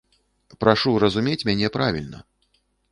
Прашу разумець мяне правільна.